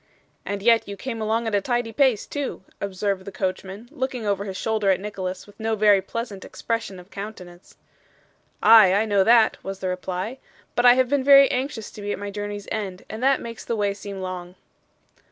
'And yet you came along at a tidy pace too,' observed the coachman, looking over his shoulder at Nicholas with no very pleasant expression of countenance. 'Ay, I know that,' was the reply; 'but I have been very anxious to be at my journey's end, and that makes the way seem long.